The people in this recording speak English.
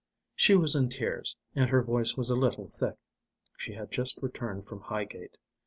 She was in tears, and her voice was a little thick. She had just returned from Highgate.